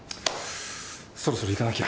そろそろ行かなきゃ。